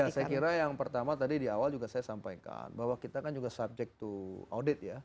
ya saya kira yang pertama tadi di awal juga saya sampaikan bahwa kita kan juga subject to audit ya